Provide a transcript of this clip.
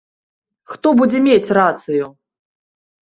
Хто будзе мець рацыю.